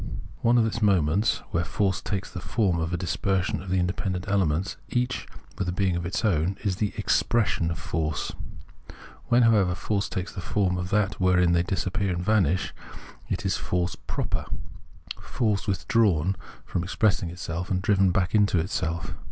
One of its moments, where Force takes the form of a dispersion of the independent elements each with a Understanding 129 being of its own, is the Expression of Force ; when, however, force takes the form of that wherein they disappear and vanish, it is Force proper, force with drawn from expressing itself and driven back into itself.